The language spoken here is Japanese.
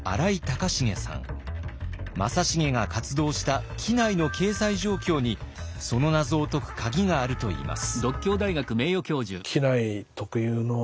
正成が活動した畿内の経済状況にその謎を解く鍵があるといいます。